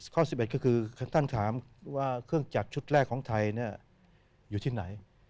ข้อ๑๑ก็คือท่านถามว่าเครื่องจักรชุดแรกของไทยอยู่ที่ไหน